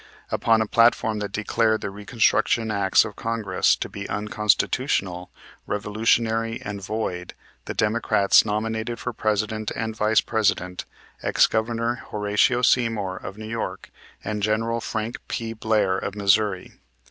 Upon a platform that declared the Reconstruction Acts of Congress to be unconstitutional, revolutionary, and void, the Democrats nominated for President and Vice President, Ex Governor Horatio Seymour, of New York, and General Frank P. Blair, of Missouri.